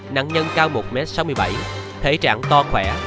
nạn nhân cao một m sáu mươi bảy thể trạng to khỏe